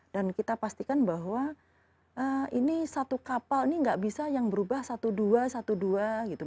dan kita pastikan bahwa ini satu kapal ini gak bisa yang berubah satu dua satu dua gitu